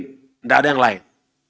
tidak ada yang lain